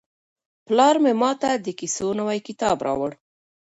پلار مې ماته د کیسو نوی کتاب راوړ.